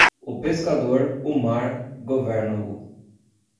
O pescador, o mar, governa-o.